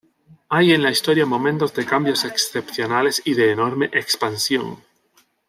Hay en la historia momentos de cambios excepcionales y de enorme expansión.